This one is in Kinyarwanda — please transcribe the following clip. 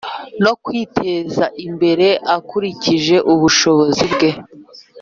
no kwiteza imbere akurikije ubushobozi bwe